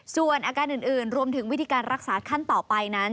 ส่วนอาการอื่นรวมถึงวิธีการรักษาขั้นต่อไปนั้น